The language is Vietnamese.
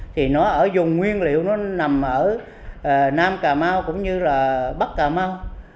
thì nó ở dùng nguyên liệu nó nằm ở nam cà mau cũng như là bắc cà mau